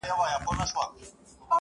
o له خوښیو ټول کشمیر را سره خاندي,